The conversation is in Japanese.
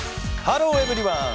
ハローエブリワン！